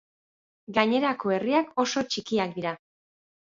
Gainerako herriak oso txikiak dira.